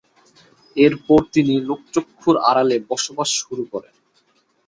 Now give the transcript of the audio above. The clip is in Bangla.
এরপর তিনি লোকচক্ষুর আড়ালে বসবাস শুরু করেন।